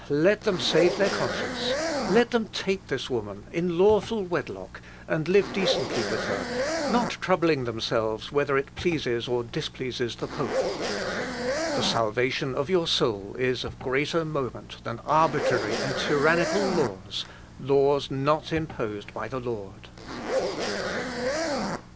let them save their conscience! let them take this woman in lawful wedlock, and live decently with her, not troubling themselves whether it pleases or displeases the pope. The salvation of your soul is of greater moment than arbitrary and tyrannical laws, laws not imposed by the Lord."